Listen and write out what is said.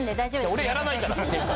俺やらないから！